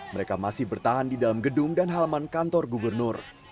mereka masih bertahan di dalam gedung dan halaman kantor gubernur